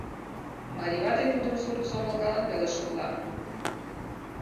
Марий вате тудым сурт сомылкалан веле шотла.